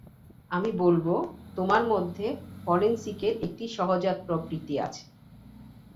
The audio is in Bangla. আমি বলবো তোমার মধ্যে ফরেনসিকের একটি সহজাত প্রবৃত্তি আছে।